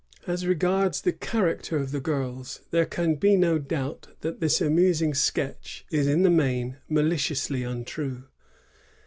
As regards the character of the girls, there can be no doubt that this amusing sketch is, in the main, maliciously untrue.